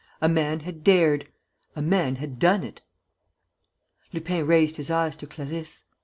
A man had dared! A man done it! Lupin raised his eyes to Clarisse.